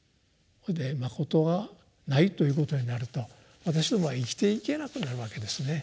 まことがないということになると私どもは生きていけなくなるわけですね。